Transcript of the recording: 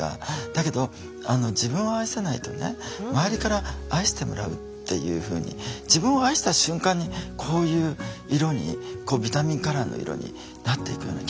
だけど自分を愛せないとね周りから愛してもらうっていうふうに自分を愛した瞬間にこういう色にビタミンカラーの色になっていくような気がするんですよね。